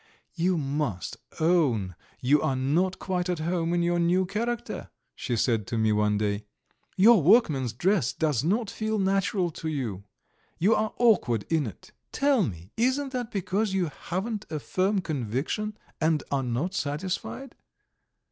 "You must own you are not quite at home in your new character," she said to me one day. "Your workman's dress does not feel natural to you; you are awkward in it. Tell me, isn't that because you haven't a firm conviction, and are not satisfied?